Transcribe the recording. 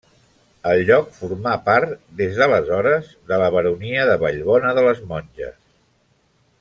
El lloc formà part des d'aleshores de la baronia de Vallbona de les Monges.